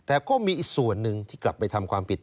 แต่ก็มีอีกส่วนหนึ่งที่กลับไปทำความผิด